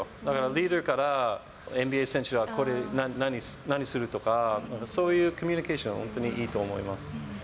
リーダーだから、ＮＢＡ選手はこれ、何するとか、そういうコミュニケーション、本当にいいと思います。